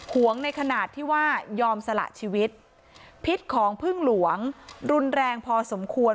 หวงในขณะที่ว่ายอมสละชีวิตพิษของพึ่งหลวงรุนแรงพอสมควร